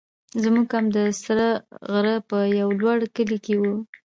زموږ کمپ د سره غره په یو لوړ کلي کې وو.